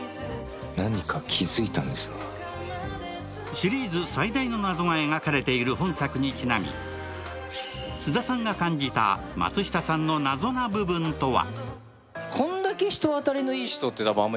シリーズ最大の謎が描かれている本作にちなみ、菅田さんが感じた松下さんの謎な部分とは？